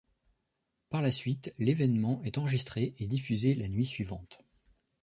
Par la suite, l'événement est enregistré et diffusé la nuit suivante.